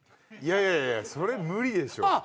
いやいやそれ無理でしょ。